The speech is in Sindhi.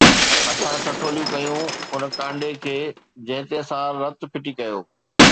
اسان ٺٺوليون ڪيون اُن ڪانڊي کي، جنهن تي اسان رت ڦٽي ڪيو